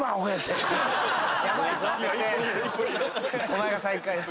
お前が最下位。